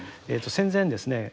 戦前ですね